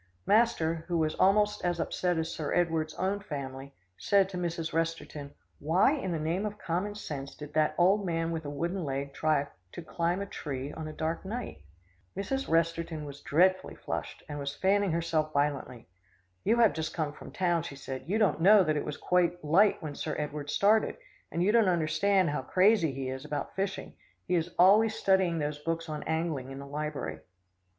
Master, who was almost as upset as Sir Edward's own family, said to Mrs. Resterton, "Why in the name of common sense did that old man with a wooden leg try to climb a tree on a dark night?" Mrs. Resterton was dreadfully flushed, and was fanning herself violently. "You have just come from town," she said, "you don't know that it was quite light when Sir Edward started, and you don't understand how crazy he is about fishing. He is always studying those books on angling in the library."